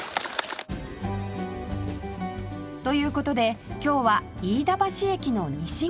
という事で今日は飯田橋駅の西側へ